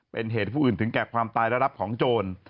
เป็นเหตุผู้อื่นถึงแก่ความตายและรับของโจร